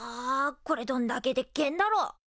これどんだけでっけえんだろ？